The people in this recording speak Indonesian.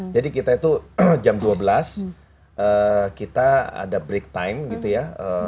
jadi kita itu jam dua belas kita ada break time gitu ya